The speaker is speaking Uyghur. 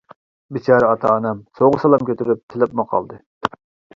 بىچارە ئاتا-ئانام سوۋغا-سالام كۆتۈرۈپ تىلىپمۇ قالدى.